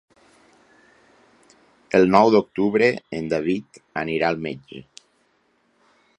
El nou d'octubre en David anirà al metge.